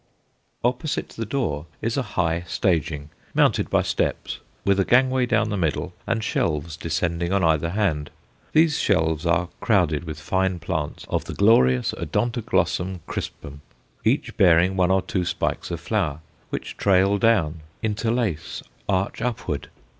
Opposite the door is a high staging, mounted by steps, with a gangway down the middle and shelves descending on either hand. Those shelves are crowded with fine plants of the glorious O. crispum, each bearing one or two spikes of flower, which trail down, interlace, arch upward.